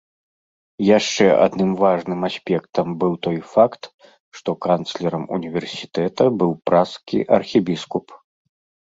Яшчэ адным важным аспектам быў той факт, што канцлерам універсітэта быў пражскі архібіскуп.